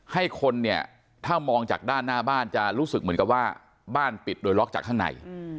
ให้คนเนี่ยถ้ามองจากด้านหน้าบ้านจะรู้สึกเหมือนกับว่าบ้านปิดโดยล็อกจากข้างใน